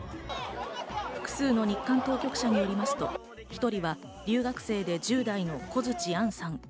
複数の日韓当局者によりますと、１人は留学生で１０代のコヅチアンさん。